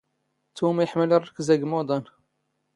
ⵜⵓⵎ ⵉⵃⵎⵍ ⵔⵔⴽⵣ ⴰⴳⵎⵓⴹⴰⵏ.